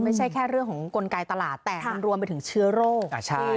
ไม่ใช่แค่เรื่องของกลไกตลาดแต่มันรวมไปถึงเชื้อโรค